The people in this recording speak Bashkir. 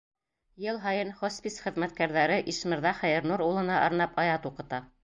Йыл һайын хоспис хеҙмәткәрҙәре Ишмырҙа Хәйернур улына арнап аят уҡыта.